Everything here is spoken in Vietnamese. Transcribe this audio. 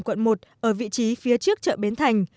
quận một ở vị trí phía trước chợ bến thành